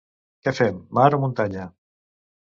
Què fem, mar o muntanya?